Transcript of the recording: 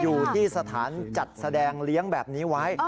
อยู่ที่สถานจัดแสดงเลี้ยงแบบนี้ไว้